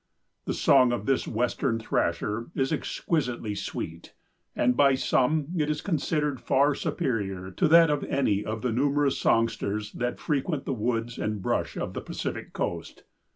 The song of this Western Thrasher is exquisitely sweet, and by some it is considered far superior to that of any of the numerous songsters that frequent the woods and brush of the Pacific coast.